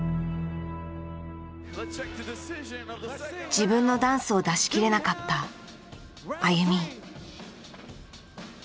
自分のダンスを出し切れなかったＡＹＵＭＩ。